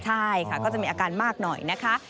ใช่ค่ะก็จะมีอาการมากหน่อยนะคะ